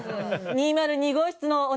２０２号室のお姉様方。